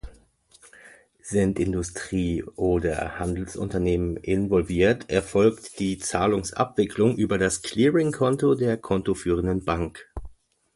Sind Industrie- oder Handelsunternehmen involviert, erfolgt die Zahlungsabwicklung über das Clearing-Konto der kontoführenden Bank.